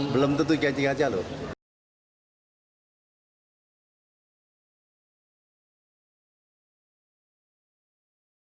belum tentu tiga jalur